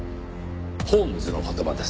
ホームズの言葉です。